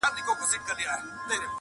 • لکه شمع په خپل ځان کي ویلېدمه -